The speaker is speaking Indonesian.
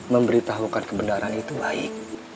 memberitahukan kebenaran itu baik